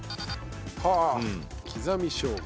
はあきざみしょうが。